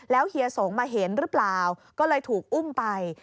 เฮียสงฆ์มาเห็นหรือเปล่าก็เลยถูกอุ้มไป